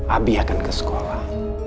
abi akan ke sekolah